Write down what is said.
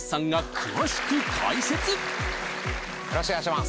よろしくお願いします。